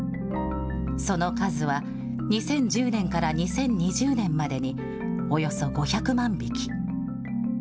その数は、２０１０年から２０２０年までにおよそ５００万匹。